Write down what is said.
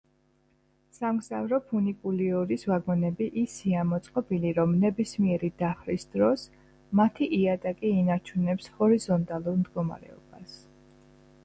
სამგზავრო ფუნიკულიორის ვაგონები ისეა მოწყობილი, რომ ნებისმიერი დახრის დროს მათი იატაკი ინარჩუნებს ჰორიზონტალურ მდგომარეობას.